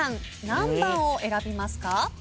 何番を選びますか？